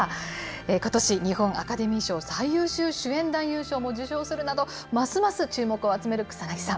ことし日本アカデミー賞、最優秀主演男優賞を受賞するなど、ますます注目を集める草なぎさん。